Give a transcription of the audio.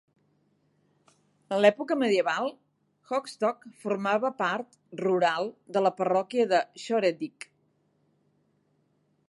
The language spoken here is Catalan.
En l'època medieval, Hoxton formava part rural de la parròquia de Shoreditch.